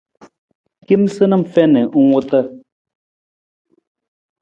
Kemasanam u fiin ng wuta.